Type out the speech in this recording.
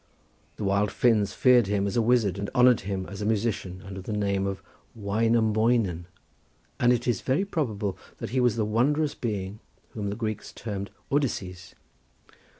The wild Finns feared him as a wizard and honoured him as a musician under the name of Wainoemoinen, and it is very probable that he was the wondrous being whom the Greeks termed Odysses.